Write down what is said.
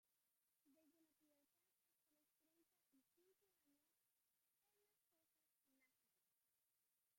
Desde la pubertad hasta los treinta y cinco años, en las fosas nasales.